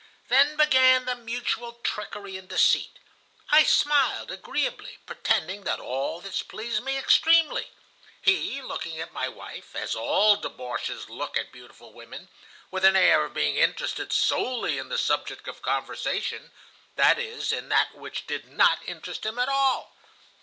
Then began the mutual trickery and deceit. I smiled agreeably, pretending that all this pleased me extremely. He, looking at my wife, as all débauchés look at beautiful women, with an air of being interested solely in the subject of conversation,—that is, in that which did not interest him at all.